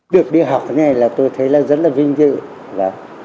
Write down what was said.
được đi học như thế này tôi thấy rất là vinh vinh